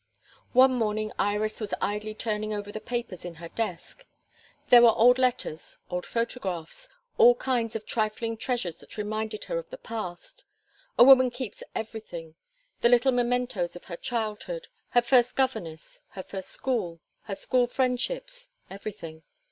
One morning Iris was idly turning over the papers in her desk. There were old letters, old photographs, all kinds of trifling treasures that reminded her of the past a woman keeps everything; the little mementoes of her childhood, her first governess, her first school, her school friendships everything.